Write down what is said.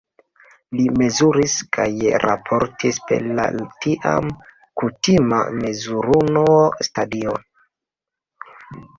Li mezuris kaj raportis per la tiam kutima mezurunuo "stadio".